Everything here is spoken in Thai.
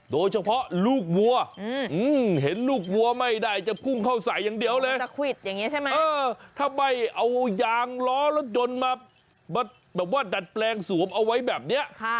โดยเฉพาะลูกวัวเห็นลูกวัวไม่ได้จะพุ่งเข้าใส่อย่างเดียวเลยถ้าไม่เอายางล้อลดจนมาดัดแปลงสวมเอาไว้แบบนี้